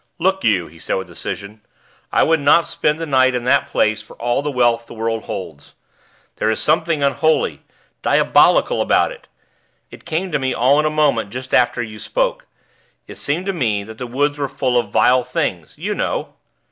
"Look you," he said with decision, "I would not spend the night in that place for all the wealth that the world holds. There is something unholy diabolical about it. It came to me all in a moment, just after you spoke. It seemed to me that the woods were full of vile things you know!"